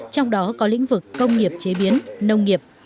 trong đó có lĩnh vực công nghiệp chế biến nông nghiệp